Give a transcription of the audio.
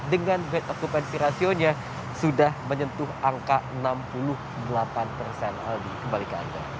dengan bedokupansi rasionya sudah menyentuh angka enam puluh delapan persen